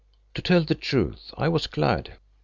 To tell the truth I was glad.